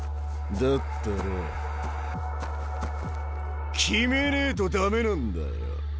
だったら決めねえと駄目なんだよ。